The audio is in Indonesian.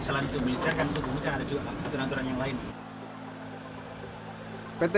selain itu militer kan untuk publik kan ada juga aturan aturan yang lain